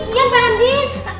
iya mbak andien